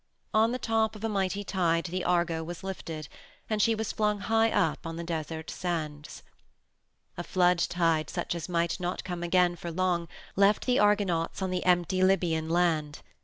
On the top of a mighty tide the Argo was lifted, and she was flung high up on the desert sands. A flood tide such as might not come again for long left the Argonauts on the empty Libyan land.